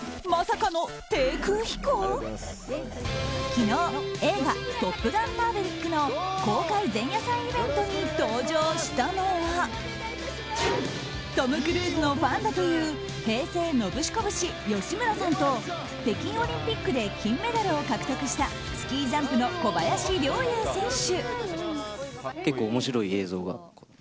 昨日、映画「トップガンマーヴェリック」の公開前夜祭イベントに登場したのはトム・クルーズのファンだという平成ノブシコブシ吉村さんと北京オリンピックで金メダルを獲得したスキージャンプの小林陵侑選手。